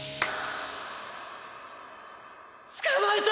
捕まえた！